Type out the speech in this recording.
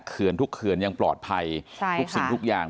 เคือนทุกเคือนยังปลอดภัยใช่ค่ะทุกสิ่งทุกอย่าง